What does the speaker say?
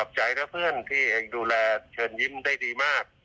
อะขอบใจนะเพื่อนที่เอ็กซ์ดูแลเชิญยิ้มได้ดีมาก